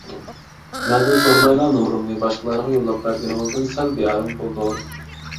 مەندىن سورىمايلا نومۇرۇمنى باشقىلارغا يوللاپ بەرگىنىڭىزدىن سەل بىئارام بولدۇم.